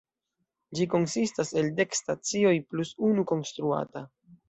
Ĝi konsistas el dek stacioj plus unu konstruata.